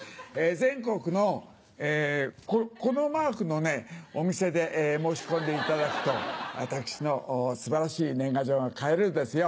全国のこのマークのねお店で申し込んでいただくと私の素晴らしい年賀状が買えるんですよ。